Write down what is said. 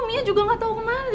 mia juga gak tahu kemana